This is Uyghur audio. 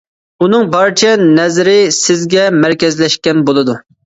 ئۇنىڭ بارچە نەزىرى سىزگە مەركەزلەشكەن بولىدۇ.